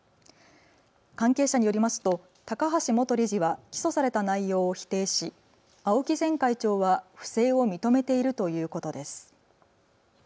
関係者によりますと高橋元理事は起訴された内容を否定し青木前会長は不正を認めているということです。